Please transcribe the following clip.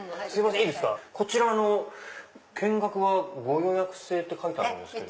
こちら見学はご予約制って書いてあるんですけど。